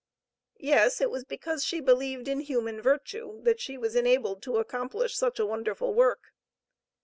Yes, it was because she believed in human virtue, that she was enabled to accomplish such a wonderful work.